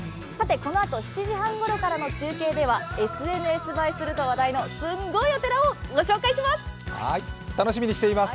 このあと７時半ごろからの中継ではＳＮＳ映えすると話題のすんごいお寺をご紹介します！